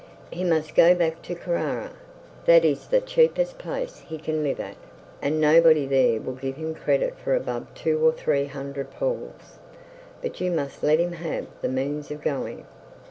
'He must go back to Carrara. That is the cheapest place he can live at, and nobody there will give him credit for above two or three hundred pauls. But you must let him have the means of going.'